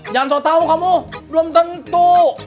jangan so tau kamu belum tentu